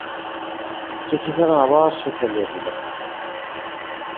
চিঠিখানা আবার সে ফেলিয়া দিল।